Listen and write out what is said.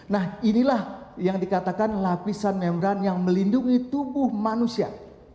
nah inilah yang dikatakan lapisan membran yang melindungi tubuh manusia